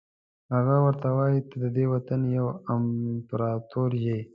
هغه ورته وایي ته ددې وطن یو امپراتور یې.